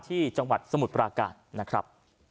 จังหวัดสมุทรปราการนะครับ